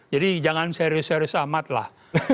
jadi jangan serius serius amatlah